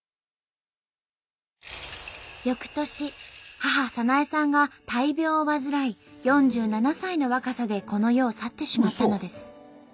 翌年母早苗さんが大病を患い４７歳の若さでこの世を去ってしまったのです。